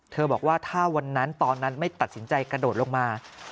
บอกว่าถ้าวันนั้นตอนนั้นไม่ตัดสินใจกระโดดลงมา